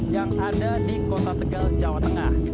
yang ada di kota tegal jawa tengah